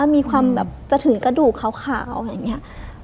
มีความแบบจะถึงกระดูกขาวอย่างนี้